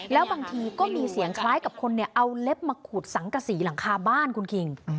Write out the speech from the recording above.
แล้วบางทีก็มีเสียงคล้ายกับคนเอาเล็บมาขุดสังกษีหลังคาบ้านคุณคิง